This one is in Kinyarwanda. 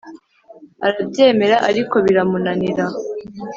arabyemera ariko biramunanira